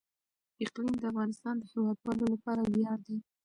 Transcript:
اقلیم د افغانستان د هیوادوالو لپاره ویاړ دی.